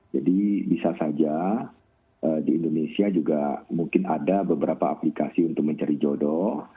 jadi bisa saja di indonesia juga mungkin ada beberapa aplikasi untuk mencari jodoh